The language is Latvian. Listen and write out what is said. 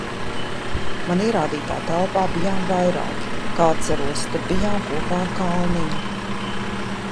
Man ierādītā telpā bijām vairāki, kā atceros, tad bijām kopā ar Kalniņu.